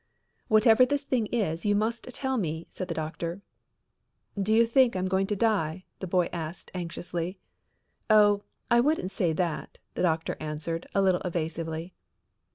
"Whatever this thing is, you must tell me," said the doctor. "Do you think I'm going to die?" the boy asked anxiously. "Oh, I wouldn't say that," the doctor answered a little evasively.